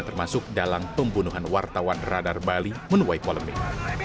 termasuk dalam pembunuhan wartawan radar bali menuai polemik